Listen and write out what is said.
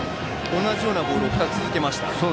同じようなボールを２つ続けました。